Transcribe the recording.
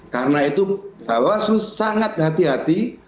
karena itu bawaslu sangat hati hati